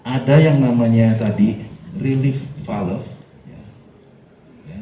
ada yang namanya tadi relief faller